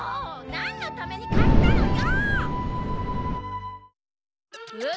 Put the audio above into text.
なんのために買ったのよ！